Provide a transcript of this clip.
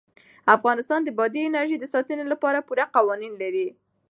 افغانستان د بادي انرژي د ساتنې لپاره پوره قوانین لري.